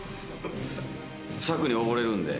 策に溺れるんで。